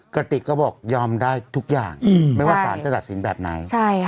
กระติกก็บอกยอมได้ทุกอย่างไม่ว่าสารจะตัดสินแบบไหน